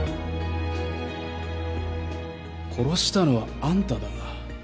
殺したのはあんただ